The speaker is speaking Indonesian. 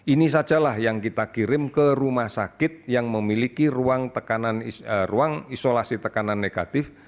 ini sajalah yang kita kirim ke rumah sakit yang memiliki ruang isolasi tekanan negatif